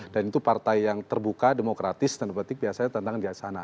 dan itu partai yang terbuka demokratis dan berarti biasanya tantangan di sana